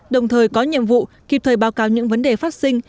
đồng thời có nhiệm vụ kịp thời báo cáo những vấn đề phát sinh